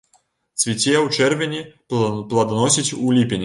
Цвіце ў чэрвені, пладаносіць у ліпені.